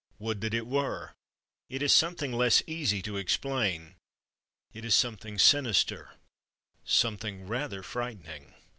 Would that it were! It is something less easy to explain. It is something sinister—something rather frightening.